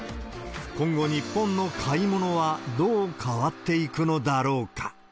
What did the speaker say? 今後、日本の買い物はどう変わっていくのだろうか。